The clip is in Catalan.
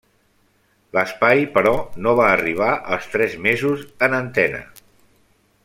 L'espai, però, no va arribar als tres mesos en antena.